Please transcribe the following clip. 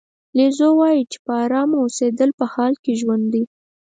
لیو زو وایي چې ارامه اوسېدل په حال کې ژوند دی.